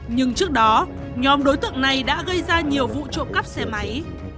nhưng trước đó nhóm đối tượng này đã gây ra nhiều vụ trộm cắp xe máy